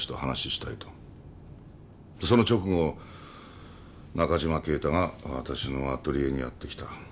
その直後中嶋敬太がわたしのアトリエにやって来た。